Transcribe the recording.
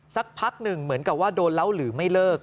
สักพักหนึ่งเหมือนกับว่าโดนเล่าหรือไม่เลิก